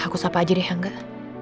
aku sapa aja deh enggak